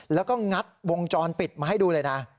แล้วก็งัดวงจรปิดมาให้ดูเลยนะ